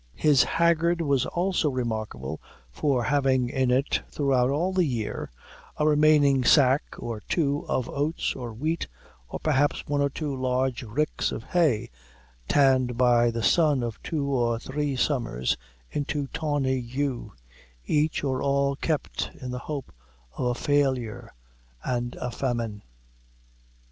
His haggard was also remarkable for having in it, throughout all the year, a remaining stack or two of oats or wheat, or perhaps one or two large ricks of hay, tanned by the sun of two or three summers into tawny hue each or all kept in the hope of a failure and a famine.